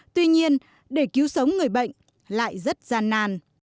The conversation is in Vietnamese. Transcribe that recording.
tuy nhiên để cứu sống người bệnh lại rất gian nàn